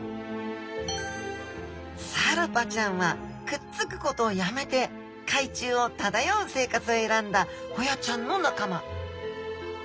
サルパちゃんはくっつくことをやめて海中を漂う生活を選んだホヤちゃんの仲間。